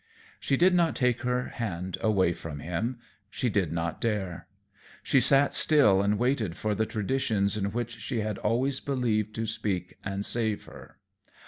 She did not take her hand away from him; she did not dare. She sat still and waited for the traditions in which she had always believed to speak and save her.